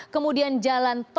kemudian jalan tomang utara